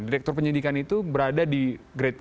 direktur penyidikan itu berada di grade